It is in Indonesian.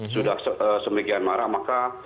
sudah semuanya maka